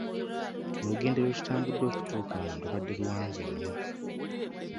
Olugendo lwe tutambudde okutuuka wano lubadde luwanvu nnyo.